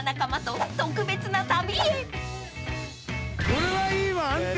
これはいいわ安定。